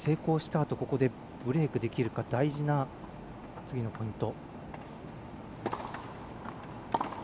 あとここでブレークできるか大事な次のポイント。